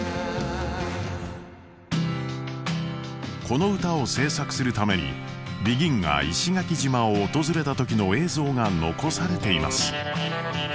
この歌を制作するためにＢＥＧＩＮが石垣島を訪れた時の映像が残されています。